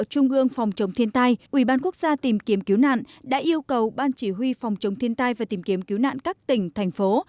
trung ương phòng chống thiên tai ủy ban quốc gia tìm kiếm cứu nạn đã yêu cầu ban chỉ huy phòng chống thiên tai và tìm kiếm cứu nạn các tỉnh thành phố